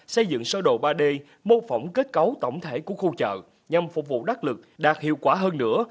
xây dựng sơ đồ ba d mô phỏng kết cấu tổng thể của khu chợ nhằm phục vụ đắc lực đạt hiệu quả hơn nữa